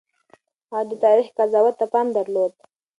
هغه د تاريخ قضاوت ته پام درلود.